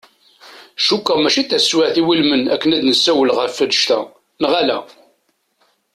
Cukkuɣ mačči d taswiεt iwulmen akken ad nmeslay ɣef annect-n, neɣ ala?